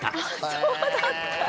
そうだったんだ。